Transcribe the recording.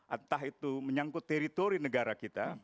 entah itu menyangkut teritori negara kita